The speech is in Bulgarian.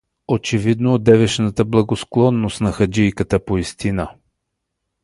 Очевидно одевешната благосклонност на ханджийката поизстина.